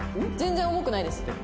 全然重くないです。